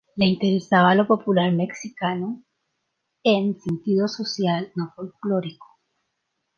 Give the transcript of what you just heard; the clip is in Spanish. Le interesaba lo popular mexicano, en sentido social, no folklórico.